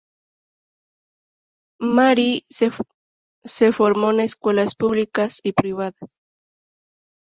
Mary se formó en escuelas públicas y privadas.